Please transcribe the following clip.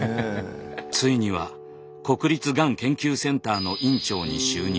ついには国立がん研究センターの院長に就任。